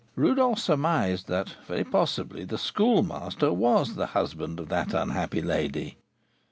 Rodolph surmised that, very possibly, the Schoolmaster was the husband of that unhappy lady.